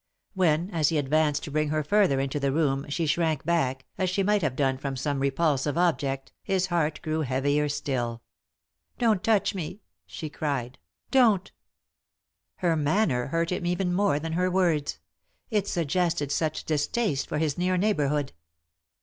When, as he advanced to bring her further into the room, she shrank back, as she might have done from some repulsive object, his heart grew heavier still. " Don't touch me 1 " she cried. " Don't 1 " 395 agnized ^ Google THE INTERRUPTED KISS Her maimer hurt him even more than her words ; it suggested such distaste for his near neighbourhood.